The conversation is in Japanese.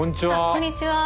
こんにちは。